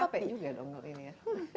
capek juga dong ini ya